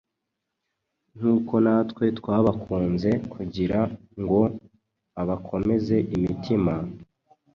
nk’uko natwe twabakunze: kugira ngo abakomeze imitima,